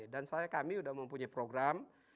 dan kami sudah mempunyai program